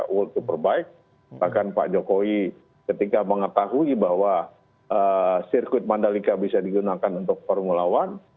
world superbike bahkan pak jokowi ketika mengetahui bahwa sirkuit mandalika bisa digunakan untuk formula one